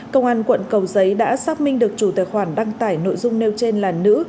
công an quận cầu giấy đã xác minh được chủ tài khoản đăng tải nội dung nêu trên là nữ